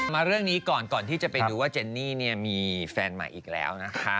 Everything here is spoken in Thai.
มาเรื่องนี้ก่อนก่อนที่จะไปดูว่าเจนนี่มีแฟนใหม่อีกแล้วนะคะ